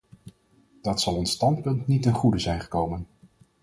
Dat zal ons standpunt niet ten goede zijn gekomen.